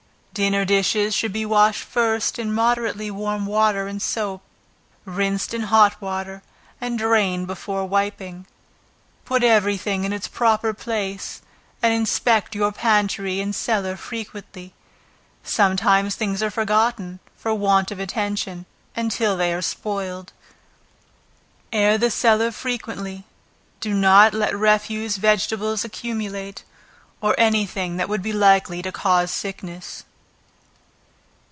Dinner dishes should be washed first in moderately warm water and soap, rinsed in hot water, and drained before wiping. Put every thing in its proper place, and inspect your pantry and cellar frequently. Sometimes things are forgotten, for want of attention, until they are spoiled. Air the cellar frequently; do not let refuse vegetables accumulate, or any thing that would be likely to cause sickness.